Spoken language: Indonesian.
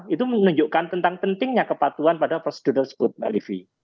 itu menunjukkan tentang pentingnya kepatuhan pada prosedur tersebut mbak livi